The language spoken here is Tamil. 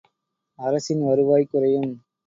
அரசின் வருவாய் குறையும்!